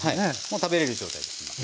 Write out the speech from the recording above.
もう食べれる状態です今。